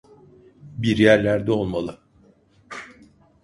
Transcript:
Bir yerlerde olmalı.